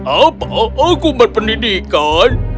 apa aku berpendidikan